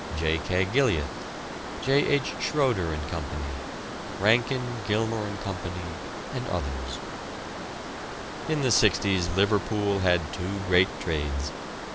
J. K. Gilliat; J. H. Schroeder and Co.; Rankin, Gilmour and Co., and others. In the 'sixties Liverpool had two great trades.